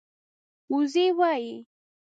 وزۍ وايي